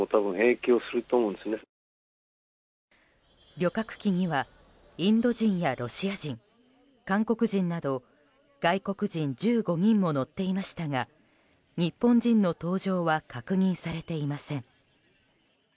旅客機にはインド人やロシア人、韓国人など外国人１５人も乗っていましたが日本人の搭乗は確認されていません。